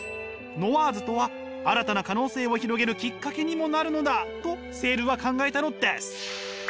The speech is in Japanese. ノワーズとは新たな可能性を広げるきっかけにもなるのだとセールは考えたのです！